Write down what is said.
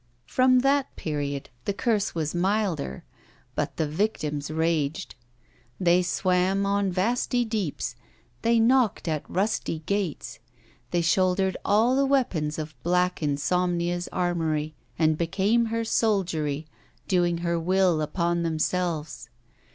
From that period the curse was milder, but the victims raged. They swam on vasty deeps, they knocked at rusty gates, they shouldered all the weapons of black Insomnia's armoury and became her soldiery, doing her will upon themselves.